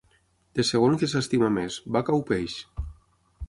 De segon què s'estima més, vaca o peix?